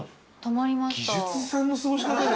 泊まりました。